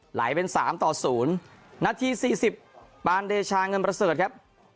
ไหลเป็นสามต่อศูนย์นาทีสี่สิบปานเดชาเงินประเสริฐครับ